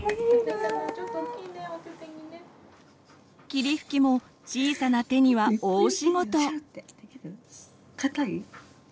霧吹きも小さな手には大仕事！